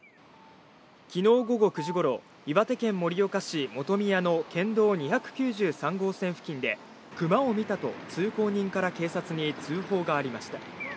昨日午後９時頃、岩手県盛岡市本宮の県道２９３号線付近でクマを見たと通行人から警察に通報がありました。